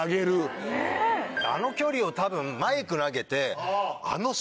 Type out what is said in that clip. あの距離を多分マイク投げて。